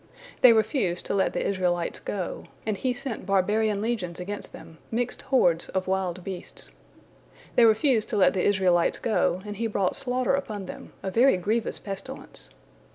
They refused to let the Israelites go, and He sent barbarian legions against them, mixed hordes of wild beasts. They refused to let the Israelites go, and He brought slaughter upon them, a very grievous pestilence.